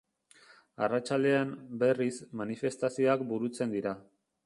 Arratsaldean, berriz, manifestazioak burutzen dira.